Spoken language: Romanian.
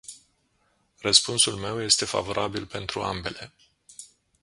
Răspunsul meu este favorabil pentru ambele.